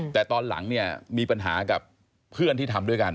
แต่ตอนหลังเนี่ยมีปัญหากับเพื่อนที่ทำด้วยกัน